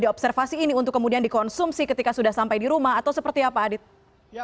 diobservasi ini untuk kemudian dikonsumsi ketika sudah sampai di rumah atau seperti apa adit